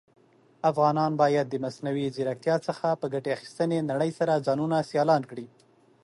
افغانان بايد د مصنوعى ځيرکتيا څخه په ګټي اخيستنې نړئ سره ځانونه سيالان کړى.